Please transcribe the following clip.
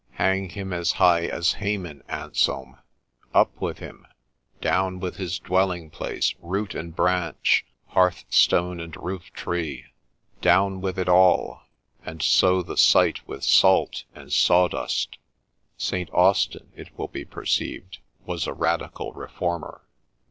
Hang him as high as Haman, Anselm !— up with him !— down with his dwelling place, root and branch, hearthstone and roof tree, — down with it all, and sow the site with salt and sawdust !' St. Austin, it will be perceived, was a radical reformer.